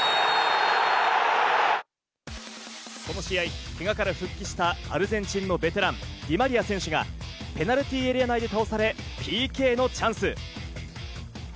この試合、けがから復帰したアルゼンチンのベテラン、ディ・マリア選手がペナルティーエリア内で倒されＰＫのチャンス。